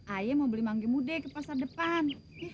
ayo mau beli manggil muda ke pasar depan